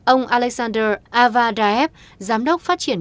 ông alexander avarayev giám đốc phát triển